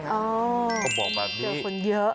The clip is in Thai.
เขาบอกแบบนี้เจอคนเยอะ